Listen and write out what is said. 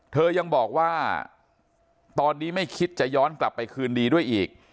เธอยังบอกว่าตอนนี้ไม่คิดจะย้อนกลับไปคืนดีด้วยอีก